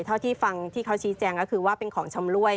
เท่าที่ฟังที่เขาชี้แจงก็คือว่าเป็นของชำรวย